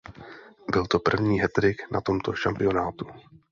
Byl to první hattrick na tomto šampionátu.